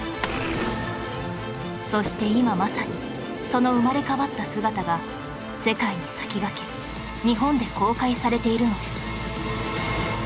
そして今まさにその生まれ変わった姿が世界に先駆け日本で公開されているのです